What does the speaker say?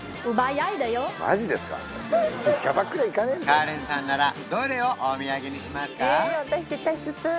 カレンさんならどれをお土産にしますか？